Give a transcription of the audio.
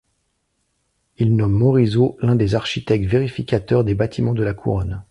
Il nomme Morisot l'un des architectes vérificateurs des bâtiments de la couronne.